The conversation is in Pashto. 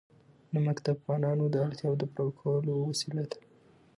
نمک د افغانانو د اړتیاوو د پوره کولو وسیله ده.